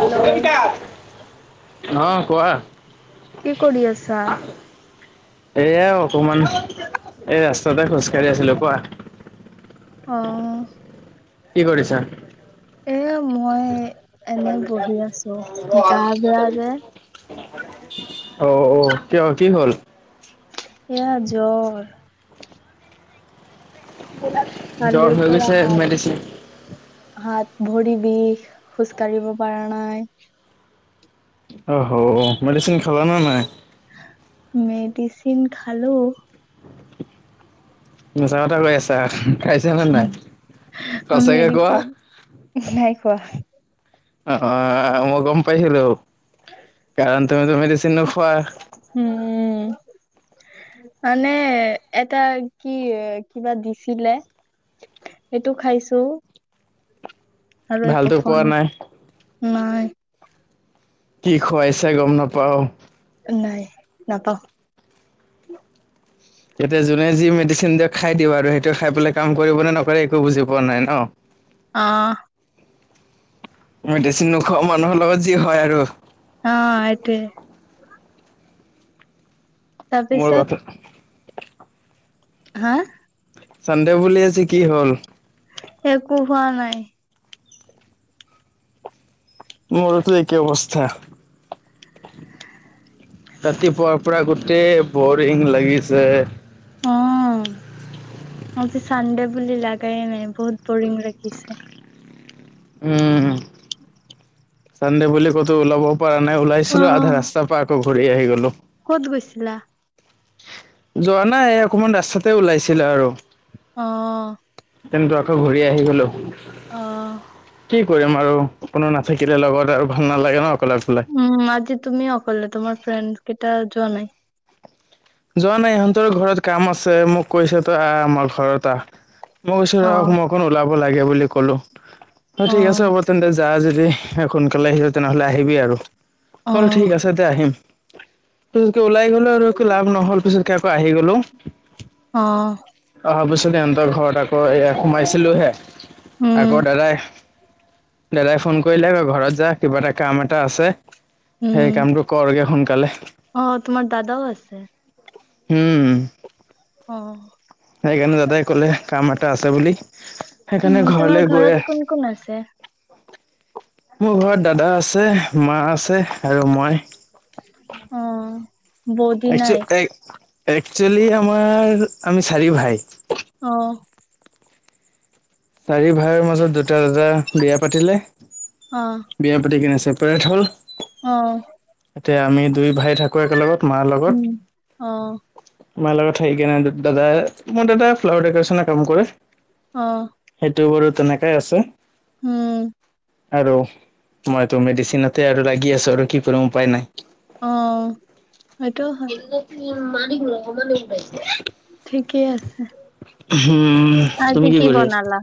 Hello অহ কোৱা কি কৰি আছা এয়া অকমান এই ৰাস্তাতে খোজকাঢ়ি আছিলো কোৱা অ । কি কৰিছা এয়া আৰ প গা অহ বেয়া যে অ কিয় কি হ'ল এয়া জ্বৰ কালিৰ জ্বৰ হৈ পৰা গৈছে হাত মেডিচিন হাত ভৰি বিষ খোজ কাঢ়িব পৰা নাই অহ, ' হ', মেডিচিন খালা নে নাই? মেডিচিন খালো। মিছা কথা কৈ আছা। খাইছা, খাইছা নে নাই সচাকে কোৱা? বাহ', অ', - অ', মই গম পাইছিলো, কাৰণ তুমিটো মেডচিন নো, উম [unintelligible] মানে এটা কি কিবা দিছিলে, সেইটো খাইছো। আৰু একো ভালতো খোৱা পোৱা নাই? নাই। কি খুৱাইছে গম নাপাও, নাই নাপাওঁ, ইয়াতে যোনে যি মেডিচিন দিয়ক খাই দিব আৰু সেইটো খাই পেলাই কাম কৰিব নে নকৰে একো বুজি পোৱা নাই ন',? আহ', মেডিচিন নোখোৱা মানুহৰ লগত যি হয় আৰু, অ ', এইটোৱে, মোৰ তাৰপিছত বাটত, হা', চানডে বুলি আজি কি হ'ল, একো হোৱা নাই। মোৰতো একেই অৱস্থা ৰাতিপুৱাৰ পৰা গোটেই বৰিং লাগিছে। অ আজি চানডে বুলি লাগাই নাই, বহুত বৰিং লাগিছে। উম', চানডে বুলি ক'তো ওলাব পাৰা নাই ওলাইছিলো অ', আধা ৰাস্তাৰ পা আকৌ ঘূৰি আহি গ'লো। ক'ত গৈছিলা? যোৱা নাই অকমান ৰাস্তাতে ওলাইছিলে আৰু অহ কিন্তু ঘূৰি আহি গ'লোঁ। অহ কৰিম আৰু কোনো নাথাকিলে লগত, আৰু ভাল নালাগে ন। অকলে অকলে উম', আজি তুমি অকলে, তোমাৰ ফ্ৰেন্ডছ কেইটা যোৱা নাই? যোৱা নাই ইহঁতৰ ঘৰত কাম আছে, মোক কৈছে তই আহ', আমাৰ ঘৰত আহ মই কৈছো অ ৰ', মই অকণ ওলাব লাগে বুলি ক'লো হয়', অ ঠিক আছে হ'ব তেন্তে যা', যদি সোনকালে আহিলো তেনেহ'লে আহিবি আৰু, অ', ঠিক আছে তে, আহিম এনকে ওলাই গ'লে আৰু একো লাভ নহ'ল পিছত কে আকৌ আহি গ'লো। অহ তাৰপিছত সিহঁৰ ঘৰ এ সোমাইছিলো হে, উম আকৌ দাদাই দাদাই ফোন কৰিলে ব ঘৰত যা কিবা এটা কাম এটা আছে। উম সেই কামটো কৰা শুকালে কালে। অ' তোমাৰ দাদাও আছে। উম অহ সেইকাৰণে দাদাই কলে কাম এটা আছে বুলি। সেইকাৰণে উম' তোমাৰ ঘৰলৈ গৈ ঘৰত কোন-কোন আছে? মোৰ ঘৰত দাদা আছে, মা আছে আৰু মই। অহ বৌ'টো নাই। একচুৱেলি একচুৱেলি আমাৰ আমি চাৰি ভাই আহ চাৰি ভাইৰ মাজত দুটা দাদা বিয়া পাতিলে। অ বিয়া পাতি কিনে আছে। ত [unintelligible] হ'ল। অ', এতিয়া আমি দুই ভাই থাকোঁ একেলগত। উম, আহ। মায়ে লগত থাক কে নাই দাদা মই দাদা ফ্লাৱাৰ ডেকৰেচনৰ কাম কৰে। আহ, বাৰো তেনেকাই আছে। উম', আৰু মইতো মেডিচিনতে আৰু লাগি আছো। আৰু কি কৰিম উপায় নাই। অ এইটো মানিকল [unintelligible] ম ঠিকেই আছে উম আজি তুমি কি কৰি আছা? বনালা?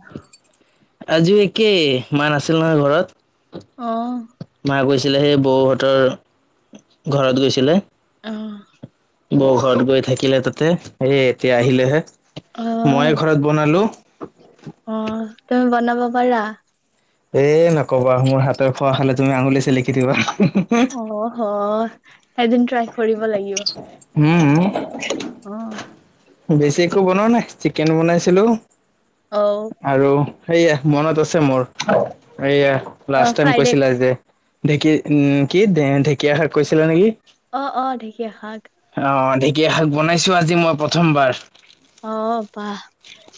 আজিও একেই মা নাছিল নহয় ঘৰত। অ', মা গৈছিলে, সেই বৌহঁতৰ ঘৰত গৈছিলে। অ', বৌ ঘৰত গৈ থাকিলে, তাতে এই এতিয়া আহিলেহে অ', মই ঘৰত বনালো, অ', তুমি বনাব পাৰা? এ নকবা মোৰ হাতৰ খোৱা হলে তুমি আঙুলি চেলিকি দিবা। অ' হ, এদিন ট্ৰাই কৰিব লাগিব। উম আহ বেছি একো বনোৱা নাই চিকেন বনাইছিলো অ', আৰু সেয়া মনত আছে মোৰ সেয়া অ', লাষ্ট টাইম ফ্ৰাইড এগ কৈছিলা যে। ঢেঁকী উ কি ঢেঁকীয়া শাক কৈছিলা নেকি অ অ ঢেকীয়া শাক । কিয়া শাক বনাইছো আজি মই প্ৰথমবাৰ অ বাহ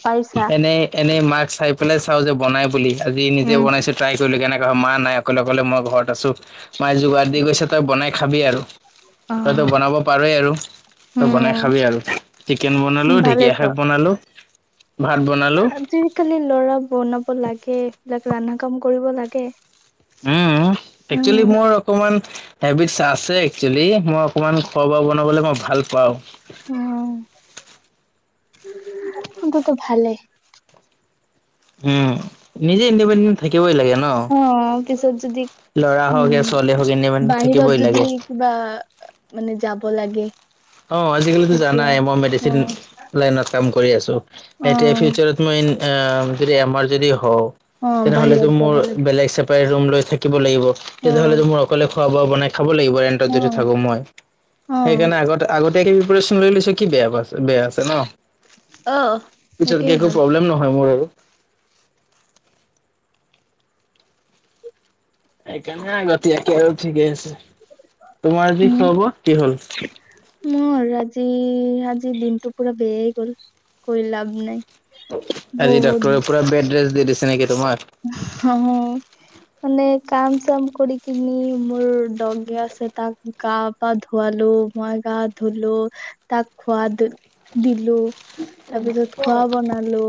পাইছা এনেই এনেই মাক চাই পেলাই চাও যে বনাই বুলি আজি নিজে উম। বনাইছো তল কেনেকৈ মা নাই অকলে অকলে মই ঘৰত আছো মে যোগাৰ দি গৈছে তই বনাই খাবি আৰু তই তো অ'। বনাব পাৰই আৰু তই উম, বনাই খাবি আৰু চিকেন বনালো ঢেকীয়া শাক বনালো ভাত বনালো যি কালি লৰা বনাব লাগে এইলাক ৰান্না কাম কৰিব লাগে। উম উম। একচুৱেলি মোৰ অকমান হেবিটছ আছে একচেলি মই অকমান খোৱা বোৱা বনাবলৈ মই ভাল পাও । কিন্ততো ভালেই । [inaudible] উম নিজে ইণ্ডিপেণ্ডেণ্ট থাকিবই লাগে ন অ', পিছত যদি ল'ৰা হওঁক উম, ছোৱালী হওক ইণ্ডিপেণ্ডেণ্ট বাহিৰত থাকিবই যদি লাগে। কিবা মানে যাব লাগে। অ আজিকালি তেতিয়া জানাই মই মেডিচিন অ', লাইনত কাম কৰি আছো এতিয়া অ', ফিউচাৰত মই এ যদি আমাৰ যদি হওক । অ', তেনেহলে বাহিৰত চোন যাব মোৰ লাগে বেলেগ ছেপেৰেট ৰুম লৈ থাকিব লাগিব তেতিয় হ'লে অ', মোৰ অকলে খোৱা ব বনাই থাব লাগিব ৰেণ্টত যদি অ', থাকো মই অ', সেইকাৰণে আগতে গ প্ৰিপ্যন লৈ লৈছো কি বে প বেয়া আছে ন অ', পিছতকে সেইটোয়ে একো ভাল। প্ৰব্লেম নহয় মোৰ আৰু [inaudible] এক কেনে আগতিযাকে আৰু ঠিকে আছে তোমাৰ যি [unintelligible] কি হ'ল মোৰ আজি আজি দিনটো পুৰা বেয়াই গল কৈ লাভ নাই আজি ডক্তৰে পোৰা বেদ ৰেষ্ট দিদিছে নেকি তোমাক? অহ মানে কাম চাম কৰি কিনি মোৰ ডগি আছে তাক গা পা ধুৱালো মই গা ধুলো তাক খোৱাদ দিলো তাৰ পিছত খোৱা বনালো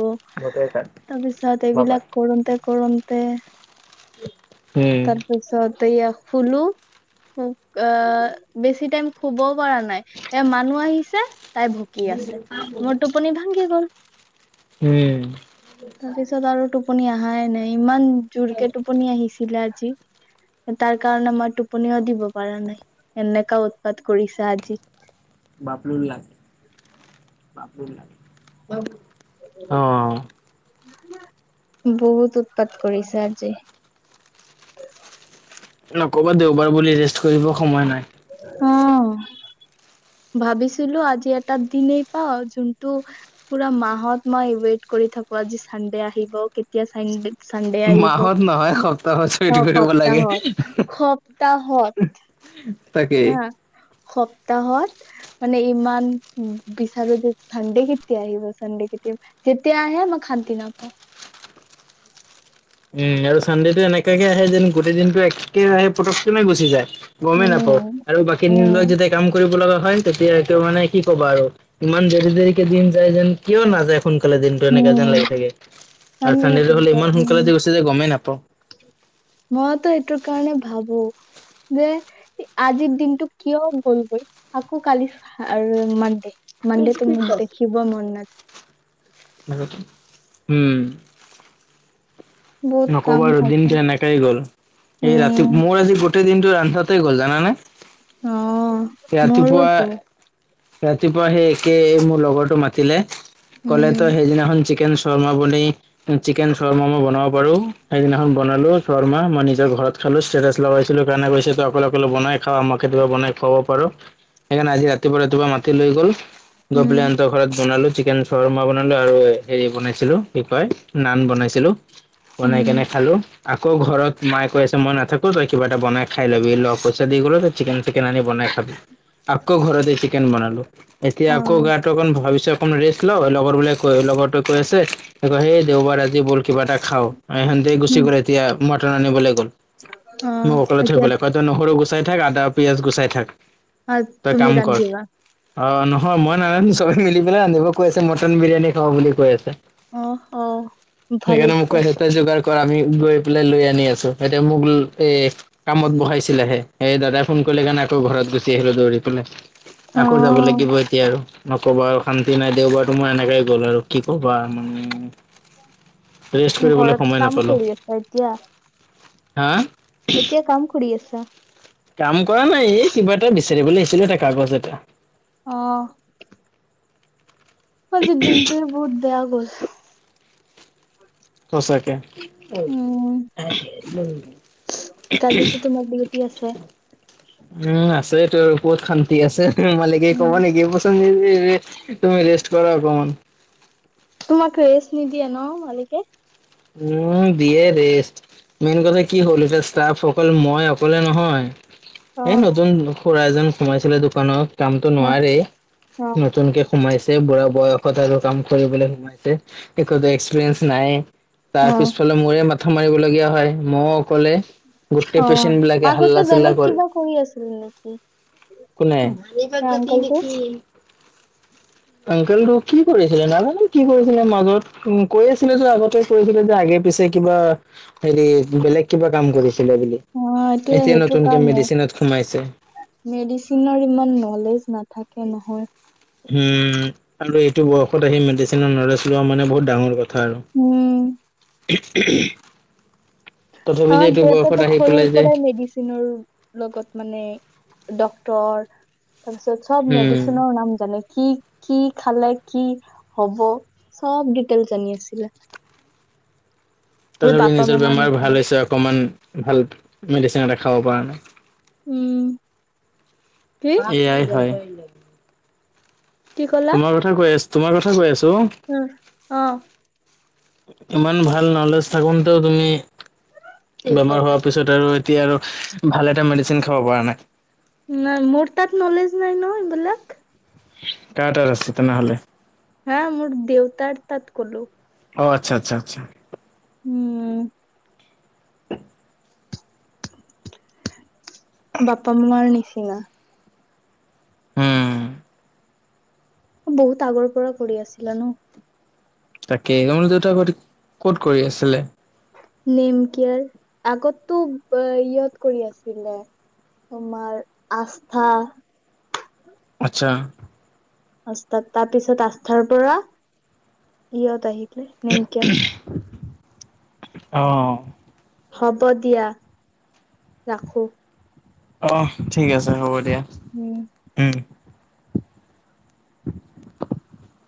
গোটেই তাত তাৰ পিছত বাবাত। এইবিলাক কৰোতে কৰতে উম, তাৰপিছত এয়া শোলো আহ বেছি টাইম শুবও পৰা নাই এ মানুহ আহিছে তাই ভুকি আছে মোৰ টোপনি ভাঙ্গি গল হম। আপুনি আহা এ নে ইমান জোৰকে টোপনি আহিছিলে আজি তাৰ কাৰণে মই টোপনিও দিব পৰা নাই এনেকা উৎপাত কৰিছে আজি বাপলু লা [unintelligible] অঁ বহুত উৎপাত কৰিছে আজি ন ক'বাত দেও বাৰ বুলি জাষ্ট থৈ আহিব সময় নাই অ ভাবিছিলো আজি এটা দিনেই পাও যোনটো পুৰা মাহত মই ৱেইট কৰি থাকো চানডে আহিব মাহত নহয় সপ্তাহত চুইত হওক কৰিব লাগে। সপ্তাহত সপ্তাহত তাকেই হা সপ্তাহত মানে ইমান বিচাৰো চানডে কেতিয়া আহিব চানডে কেতিয়া যেতিয়া আহে মই খান্তি নাপাওঁ। উম আৰু চানডেটো এনেকুৱাকে আহে যেন গোটেই দিনটো একেৰাহে পতককনে গুচি যায়। গমেই উম নাপাও আৰু বাকী দিনবোৰত উম যেতিয়া কাম কৰিব লগা হয় তেতিয়াটো মানে কি ক'ব আৰু ইমান দে কেইদিন যায় যেন কিয় নাযায়? সোনকালে দিনতটো এনেকা যেন উম লাগি থাকে আৰু আমিওতো চানডেটো হ'লে ইমান ভ- উম সো যে গমেই নাপাওঁ মইতো সেইটোৰ কাৰণে ভাবো যে আজিৰ দিনটো কিয় গ'লগৈ আকৌ কালি আৰু এ মান দে মনডেটো মোৰ দেখিব মন নাজ উম বহুত কাম নকব আৰু থাকে দিনটো এনেকে গ'ল এই ৰাতি উম মোৰ আজি গোটেই দিন। ৰান্ধাতে গ'ল জানানে । অ মোৰোতো ৰাতিপুৱা সেই একে মোৰ লগৰটো মাতিলে। ক'লে উম তো সেইদিনাখন চিকেন শৰ্মা বন চিকেন শৰ্মা মই বনাব পাৰোঁ সেইদিনাখন বনালো শৰ্মা মই নিজৰ ঘৰত খালো ষ্টেটাছ লগাইছিলো কাৰণে কৈছে তো অকলে অকলে বনাই খা আমাক কেতিয়াবা বনাই খুৱাব পাৰো। সেইকাৰণে আজি ৰাতিপুৱা ৰাতিপুৱা মাতি লৈ গ'ল। গৈ উম পেলাই সিহঁত ঘৰত বনালো। চিকেন শৰ্মা বনালো আৰু হেৰি বনাইছিলোঁ পিপাৰ নান বনাইছিলোঁ। বনাই কেনে উম খালো। আকৌ ঘৰত মায় কৈ আছে মই নাথাকোঁ তই কিবা এ বনাই খাই ল'বি লগ পইচা দি গ'ল তই চিকেন চিকেন আনি বনাই খাবি। আকৌ ঘৰ দেখি। চিকেন বনালোঁ। এতিয়া অ আকৌ গাটো অকণ ভাবিছোঁ অকণ ৰেষ্ট লওঁ লগৰ বিলাক। কৈ লগৰতে কৈ আছে সেই দেওবাৰ আজি বল কিবা এটা খাওঁ। অ সেতে গুচি উম গ এতিয়া ম সিহঁতক আনিবলৈ গ'ল। অ মোক অকলে থৈ এতিয়া গ'ল এয়া পাত নকৰো কৈছোঁ। গুচাই থাক আদা, পিয়াঁজ গুচাই থাক। অঁ তুমি ৰান্ধিবা । অঁ নহয় মই নাজানো চবে মিলি পেলাই ৰান্ধিব কৈ আছে মটন বিৰিয়ানী খাও বুলি কৈ আছে । অ', অ'। ভালেই সেইকাৰণে তে মোক কৈ অ', আছে তই যোগাৰ। কৰ আমি গৈ পেলাই লৈ আনি আছোঁ এতিয়া মোকলৈ এই। কামত বহাইছিলেহে। এই দাদাই ফোন কৰিলে কাৰণে আকৌ ঘৰত গুচি আহিলো দৌৰি পেলাই। আকৌ যাব লাগিব এতিয়া আৰু নকবা আৰু শান্তি নাই দেওবাৰ তো মই এনেকাই গ'ল আৰু কি কবা মানে। ৰেষ্ট কৰিবলৈ সময় ঘৰত কাম নাপালো কৰি আছ এতিয়া। হা। এতিয়া কাম কৰি আছে, তাৰ। কাম কৰা নাই এই কিবা এটা বিচাৰিবলৈ আহিছিলোঁ এটা কাগজ এটা। অঁ। আজি দিনটোৱে বহুত বেয়া গ'ল। সচাকে, উম, [unintelligible] কালিতো তোমাৰ ডিউটি আছে। উম আছেটো কত শান্তি আছে। উমালিকে উম, ক'ব নেকি পচন্দ। তুমি ৰেষ্ট কৰা অকমান। তোমাক ৰেষ্ট নিদিয়ে ন মালিকে? উম দিয়ে ৰেষ্ট মেইন কথা কি হ'ল এতিয়া ষ্টাফ অকল মই অকলে নহয়। এ অ', নতুন খুৰা এজন সোমাইছিলে দোকানত। কামতো অ', নোৱাৰে অ', নতুনকে সোমাইছে, বুঢ়া বয়সত আৰু কাম কৰিবলে সোমাইছে একো এক্সপিৰিয়েঞ্চ নাই। তাৰ অ', পিছফালে মোৰে মাথা মাৰি। লগীয়া হয় মই। অঁ হাল্লা আগতে চিল্লা বেলেগ কৰে কিবা কৰি আছিল নেকি? একো নাই। কেবা সেই পগতি আংকলটো? নেকি? অংকলটো কি কৰিছিলে নাজানো কি কৰিছিলে মাজত উ কৈ আছিলে তো আগতে কৈছিলে যে আগে পিছে কিবা হেৰি বেলেগ কিবা কাম কৰিছে অ এইটোয়ে সেইটো কাৰণে মেডিচিনত সোমাইছে মেডিচিনৰ ইমান নলেজ নাথাকে নহয়। উম আৰু এইটো বয়সত আহি মেডিচিনৰ নলেজ লোৱা মানে বহুত ডাঙৰ কথা থ আৰু। উম। [unintelligible] অ যে এইটো দেউতা বয়সত তাক আহি সৰুৰ পেলাই যে পৰাই মেডিচিনৰ লগত মানে ডক্টৰ তাৰপিছত চব উম মেডিচিনৰ নাম জানে। কি কি খালে কি হব চব ডিটেইল জানিছিলে। তথাপি নিজৰ বেমাৰ ভাল হৈছে অকমান ভাল মেডিচিন এটা খাব পৰা নাই। উম কি এয়াই হয়। [inaudible] কি ক'লা তোমাৰ কথা কৈ আছো তোমাৰ কথা ক আছ উম অহ। ইমান ভাল নলেজ থাকোতে তুমি বেমাৰ হোৱাৰ পিছত আৰু এতিয়া আৰু ভাল এটা মেডিচিন খাব পৰা নাই। নাই মোৰ তাত নলেজ নাই ন এইবিলাক। কাৰ তাত আছে তেনেহলে? হা মোৰ দেউতাৰ তাত কলো। অ আচ্ছা আচ্ছা আচ্ছা। উম বাপা মাৰ নিচিনা। উম বহুত আগৰ পৰা কৰি আছিলা ন। তাকে তোমালোকৰ দেউত আগতে ক'ত কৰি আছিলে? নেমকিয়াৰ আগতো ইয়াত কৰি আছিলে তোমাৰ আস্থা। আচ্ছা। আস্থাত তাৰ পিছত আস্থাৰ পৰা ইহঁত আহিল। কি নেমকেয়াৰ। অহ। হব দিয়া ৰাখো। অ ঠিক আছে হ'ব দিয় দিয়া উম উম। [inaudible]